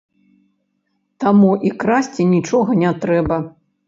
Таму і красці нічога не трэба.